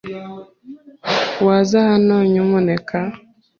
Waza hano, nyamuneka?